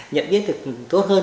nhận biết được tốt hơn